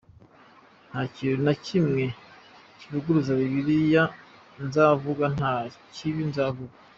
Nta kintu na kimwe kivuguruza Bibiliya nzavuga, nta kibi nzavuga.